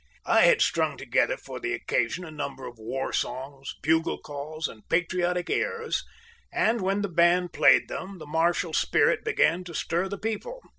I had strung together for the occasion a number of war songs, bugle calls and patriotic airs, and when the band played them the martial spirit began to stir the people.